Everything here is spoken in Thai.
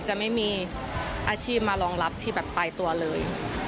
จะไม่มีอาชีพมารองรับที่แบบปลายตัวเลย